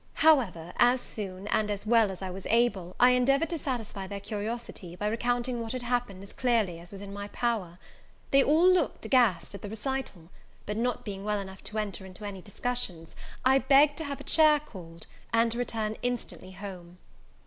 However, as soon, and as well as I was able, I endeavoured to satisfy their curiosity, by recounting what had happened as clearly as was in my power. They all looked aghast at the recital; but, not being well enough to enter into any discussions, I begged to have a chair called, and to return instantly home.